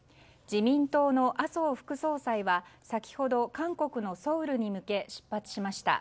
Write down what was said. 自民党の麻生副総裁は先ほど韓国のソウルに向け出発しました。